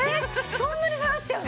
そんなに下がっちゃうの？